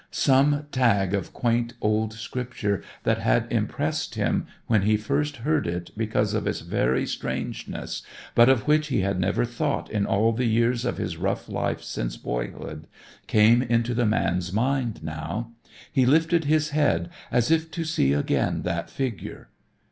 Some tag of quaint old Scripture that had impressed him when he first heard it because of its very strangeness, but of which he had never thought in all the years of his rough life since boyhood, came into the man's mind now. He lifted his head as if to see again that figure.